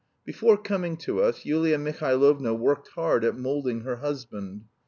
Before coming to us Yulia Mihailovna worked hard at moulding her husband.